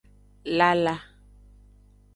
Lala.